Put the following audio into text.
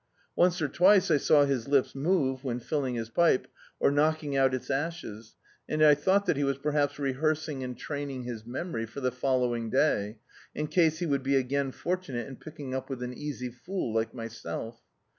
Once or twice I saw his lips move, when filling his pipe, or knocking out its ashes, and I thought that he was perhaps re hearsing and training his memory for the following day, in case he would be again fortunate in picking up with an easy fool like myself.